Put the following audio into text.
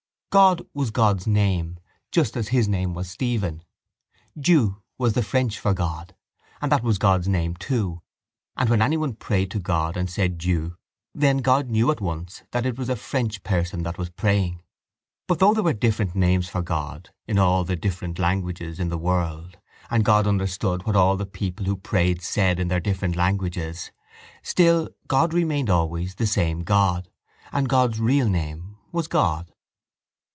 God was God's name just as his name was Stephen. Dieu was the French for God and that was God's name too; and when anyone prayed to God and said Dieu then God knew at once that it was a French person that was praying. But though there were different names for God in all the different languages in the world and God understood what all the people who prayed said in their different languages still God remained always the same God and God's real name was God.